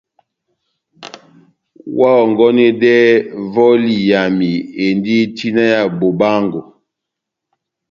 Oháhɔngɔnedɛhɛ vɔli yami endi tina ya bobaángo.